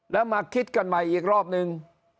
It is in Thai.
แล้วมาคิดกันใหม่อีกรอบนึง